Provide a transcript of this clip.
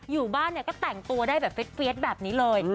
อยู่บ้านเนี่ยก็แต่งตัวได้แบบเฟียสแบบนี้เลย